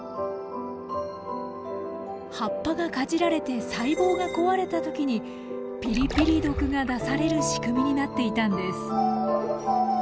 葉っぱがかじられて細胞が壊れた時にピリピリ毒が出されるしくみになっていたんです。